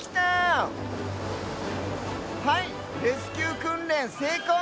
はいレスキューくんれんせいこう！